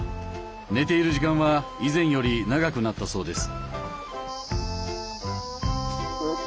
寝ている時間は以前より長くなったそうです。